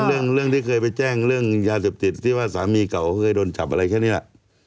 เรื่องที่เคยไปแจ้งเรื่องยาเสพติดที่ว่าสามีเก่าเคยโดนจับอะไรแค่นี้แหละ